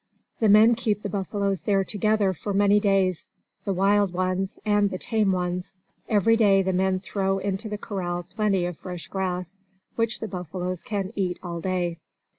The men keep the buffaloes there together for many days, the wild ones and the tame ones. Every day the men throw into the corral plenty of fresh grass, which the buffaloes can eat all day.